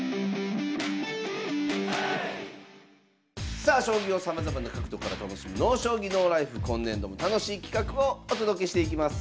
さあ将棋をさまざまな角度から楽しむ「ＮＯ将棋ＮＯＬＩＦＥ」今年度も楽しい企画をお届けしていきます。